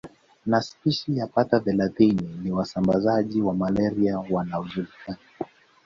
Na spishi yapata thelathini ni wasambazaji wa malaria wanaojulikana